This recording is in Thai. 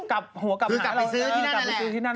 กลับไปซื้อที่นั่นแหละ